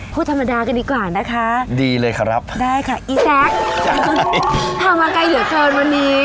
พูดธรรมดากันดีกว่านะคะได้ค่ะอีซักพามาไกลเหลือเกินวันนี้